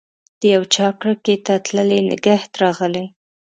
د یوچا کړکۍ ته تللي نګهت راغلی